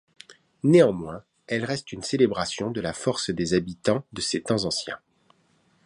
Néanmoins, elles restent une célébration de la force des habitants de ces temps anciens.